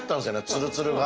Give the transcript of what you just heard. ツルツルが。